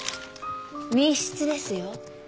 密室ですよ？